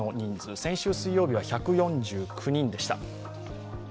先週水曜日は１４９人でした。